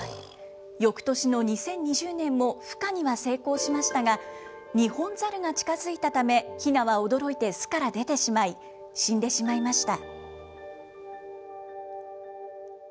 よくとしの２０２０年もふ化には成功しましたが、ニホンザルが近づいたため、ひなは驚いて巣から出てしまい、死んでしまいました。